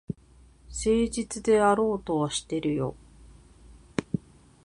誠実であろうとはしてるよ。